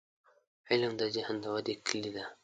• علم، د ذهن د ودې کلي ده.